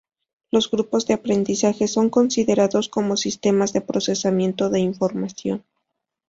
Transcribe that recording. Los grupos de aprendizaje son considerados como sistemas de procesamiento de información.